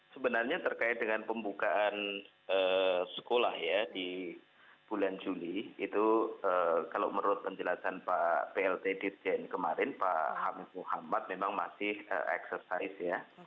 sebenarnya terkait dengan pembukaan sekolah ya di bulan juli itu kalau menurut penjelasan pak plt dirjen kemarin pak hamid muhammad memang masih eksersis ya